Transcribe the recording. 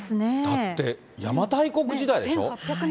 だって、邪馬台国時代でしょう。